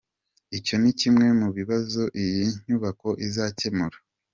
Icyo ni kimwe mu bibazo iyi nyubako izakemura.